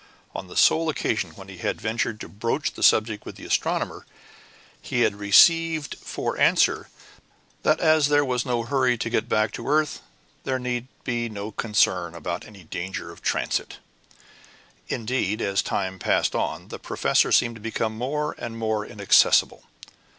On the sole occasion when he had ventured to broach the subject with the astronomer, he had received for answer that as there was no hurry to get back to the earth, there need be no concern about any dangers of transit. Indeed, as time passed on, the professor seemed to become more and more inaccessible.